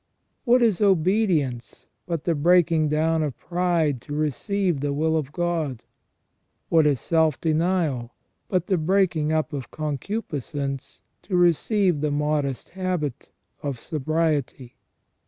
What is obedience but the breaking down of pride to receive the will of God ? What is self denial but the breaking up of concupiscence to receive the modest habit of sobriety